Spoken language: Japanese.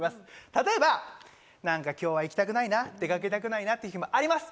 例えば、なんか今日は行きたくないな、出かけたくないなって日もあります。